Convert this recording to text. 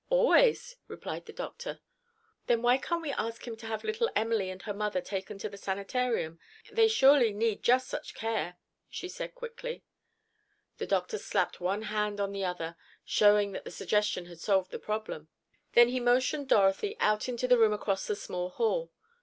"Always," replied the doctor. "Then why can't we ask him to have little Emily and her mother taken to the sanitarium? They surely need just such care," she said quickly. The doctor slapped one hand on the other, showing that the suggestion had solved the problem. Then he motioned Dorothy out into the room across the small hall.